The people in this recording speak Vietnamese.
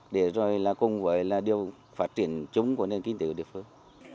để cùng với điều phát triển chúng của nền kinh tế của địa phương